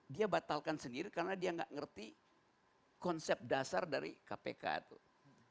dia batalkan sendiri karena dia nggak ngerti konsep dasar dari kpk tuh